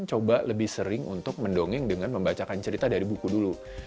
coba lebih sering untuk mendongeng dengan membacakan cerita dari buku dulu